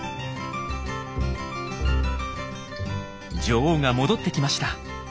女王が戻ってきました。